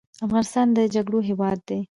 افغانستان د جګړو هیواد دی